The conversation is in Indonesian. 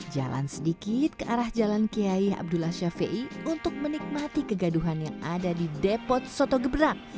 jalan sedikit ke arah jalan kiai abdullah ⁇ shafii ⁇ untuk menikmati kegaduhan yang ada di depot soto geberang